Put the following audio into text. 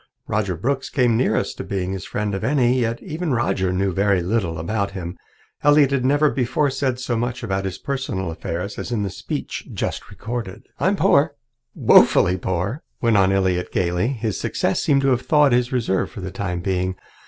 Roger Brooks came nearest to being his friend of any, yet even Roger knew very little about him. Elliott had never before said so much about his personal affairs as in the speech just recorded. "I'm poor woefully poor," went on Elliott gaily. His success seemed to have thawed his reserve for the time being.